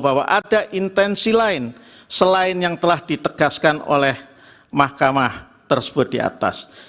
bahwa ada intensi lain selain yang telah ditegaskan oleh mahkamah tersebut di atas